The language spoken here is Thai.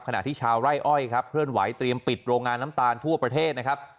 ขณะที่ชาวไร่อ้อยครับเคลื่อนไหวเตรียมปิดโรงงานน้ำตาลทั่วประเทศนะครับ